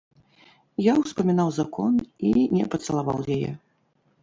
Я ўспамінаў закон і не пацалаваў яе.